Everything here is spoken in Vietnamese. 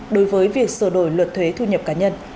đối với việc sửa đổi luật thuế thu nhập cá nhân